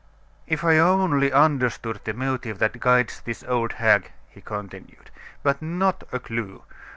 "If I only understood the motive that guides this old hag!" he continued. "But not a clue!